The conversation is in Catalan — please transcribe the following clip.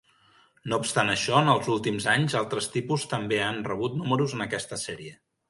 No obstant això, en els últims anys, altres tipus també han rebut números en aquesta sèrie.